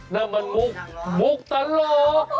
นั่นมันมุกมุกตลอด